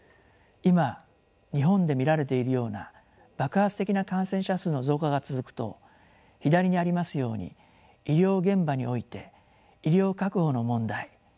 今日本で見られているような爆発的な感染者数の増加が続くと左にありますように医療現場において医療確保の問題